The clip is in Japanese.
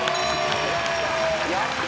やった。